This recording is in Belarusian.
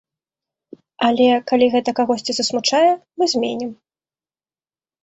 Але калі гэта кагосьці засмучае, мы зменім.